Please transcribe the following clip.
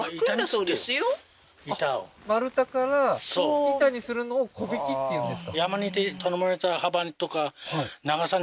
板を丸太から板にするのを木挽きっていうんですか？